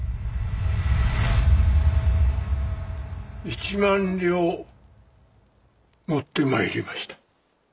１万両持ってまいりました。